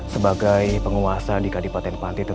sebagai penguasa di kadipatin pati tersebut